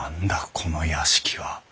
この屋敷は。